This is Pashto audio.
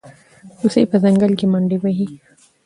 هوسۍ په ځنګل کې منډې وهي.